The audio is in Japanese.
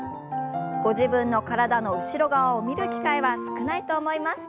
ご自分の体の後ろ側を見る機会は少ないと思います。